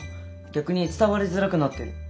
逆に伝わりづらくなってる。